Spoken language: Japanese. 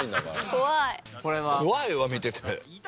怖いわ見てて。